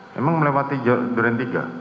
memang melewati duren tiga